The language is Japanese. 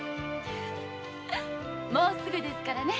もうすぐですからね。